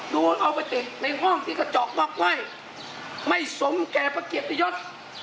ดูเอาไปติดในห้องที่กระจอกบอกไว้ไม่สมแก่ประเกียรติยศ